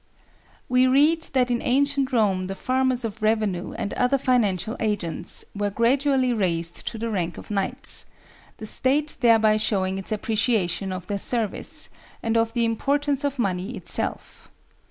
We read that in ancient Rome the farmers of revenue and other financial agents were gradually raised to the rank of knights, the State thereby showing its appreciation of their service and of the importance of money itself.